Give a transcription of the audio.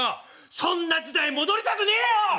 そんな時代戻りたくねえよ！